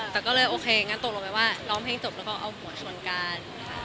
แต่ก็เลยโอเคงั้นตกลงไปว่าร้องเพลงจบแล้วก็เอาหัวชวนกัน